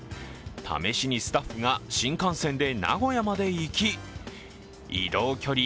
試しにスタッフが新幹線で名古屋まで行き、移動距離